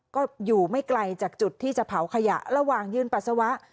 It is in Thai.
ก็อยู่ไม่ไกลจากจุดที่จะเผาขยะระหว่างยืนปัสสาวะ